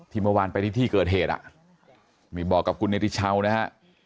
ที่เมื่อวานไปที่ที่เกิดเหตุมีบอกกับคุณเนธิเชานะฮะ